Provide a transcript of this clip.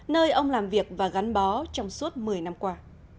nơi ông làm việc và gắn bó trong suốt một mươi năm qua